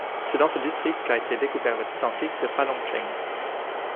C'est dans ce district qu'a été découvert le site antique de Panlongcheng.